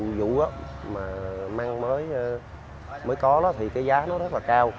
từ đầu vụ mà măng mới có thì cái giá nó rất là cao